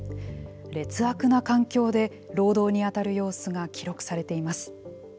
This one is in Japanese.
劣悪な環境で労働に当たる様子が記録されています。